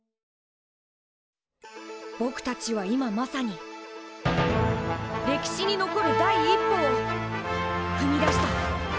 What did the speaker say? ぼくたちは今まさに歴史に残る第一歩をふみ出した。